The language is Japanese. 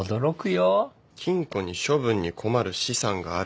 「金庫に処分に困る資産がある」